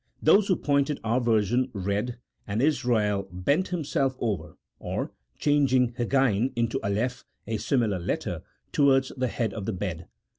Those who pointed our version read, "" And Israel bent himself over, or (changing Hgain into Aleph, a similar letter) towards, the head of the bed."